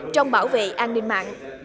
trong bảo vệ an ninh mạng